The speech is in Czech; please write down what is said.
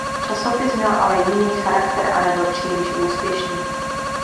Časopis měl ale jiný charakter a nebyl příliš úspěšný.